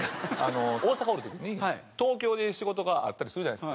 大阪おる時に東京で仕事があったりするじゃないですか。